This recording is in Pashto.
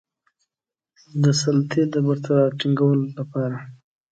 د سلطې د بیرته ټینګولو لپاره.